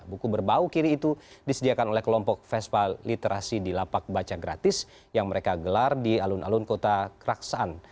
buku berbau kiri itu disediakan oleh kelompok vespa literasi di lapak baca gratis yang mereka gelar di alun alun kota keraksaan